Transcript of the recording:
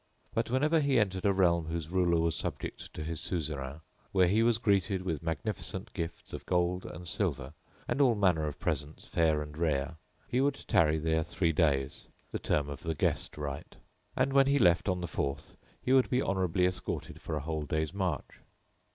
But whenever he entered a realm whose ruler was subject to his Suzerain, where he was greeted with magnificent gifts of gold and silver and all manner of presents fair and rare, he would tarry there three days,[FN#5] the term of the guest rite; and, when he left on the fourth, he would be honourably escorted for a whole day's march.